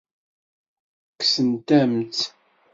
Kksent-am-tt.